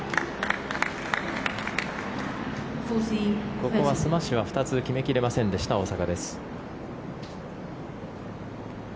ここはスマッシュは２つ決め切れませんでした大坂です。